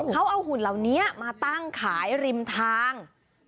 เขาเอาหุ่นเหล่านี้มาตั้งขายริมทาง